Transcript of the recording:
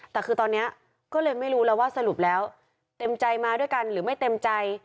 แต่คือตอนนี้ก็เลยไม่รู้แล้วว่าสรุปแล้วเต็มใจมาด้วยกันหรือไม่เต็มใจ